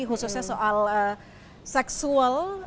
khususnya soal education seksual